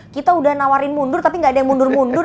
kita udah nawarin mundur tapi gak ada yang mundur mundur